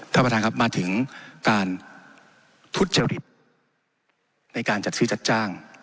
ท่านประธานครับมาถึงการทุจริตในการจัดซื้อจัดจ้าง